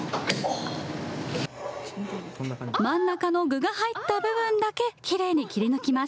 真ん中の具が入った部分だけきれいに切り抜きます。